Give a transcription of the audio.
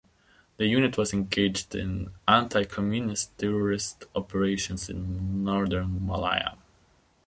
The unit was engaged in anti-communist terrorist operations in northern Malaya.